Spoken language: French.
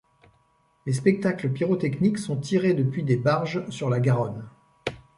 Les spectacles pyrotechniques sont tirés depuis des barges sur la Garonne.